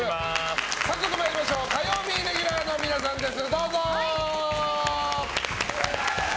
早速参りましょう火曜レギュラーの皆さんです。